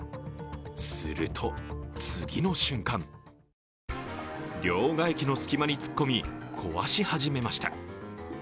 すると、次の瞬間両替機の隙間に突っ込み、壊し始めました。